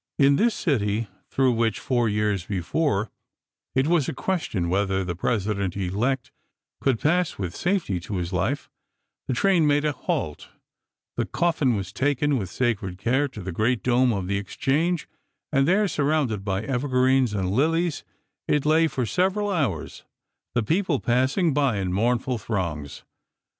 In this city, through which, four years before, it was a question whether the President elect could pass with safety to his life, the train made a halt; the coffin was taken with sacred care to the great dome of the Exchange, and there, surrounded by evergreens and lilies, it lay for several hours, the people passing by in mournful throngs.